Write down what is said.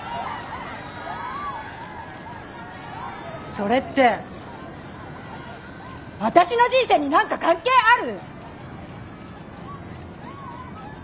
それって私の人生に何か関係ある！？